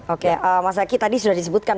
oke mas zaky tadi sudah disebutkan